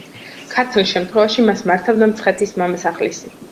ქართლის შემთხვევაში მას მართავდა მცხეთის მამასახლისი.